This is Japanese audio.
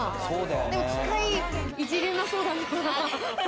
でも機械いじれなそうだな。